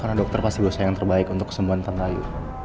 karena dokter pasti gue sayang terbaik untuk kesembuhan tante ayu